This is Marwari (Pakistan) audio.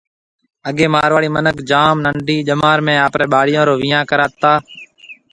اگَي مارواڙي مِنک جام ننڊِي جمار ۾ آپرَي ٻاݪيون رو وڃان ڪرتا